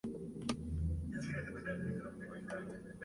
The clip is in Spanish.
Fue presidente regional del Partido Socialista de Chile en Antofagasta.